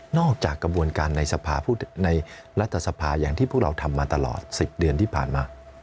จากกระบวนการในรัฐสภาอย่างที่พวกเราทำมาตลอด๑๐เดือนที่ผ่านมา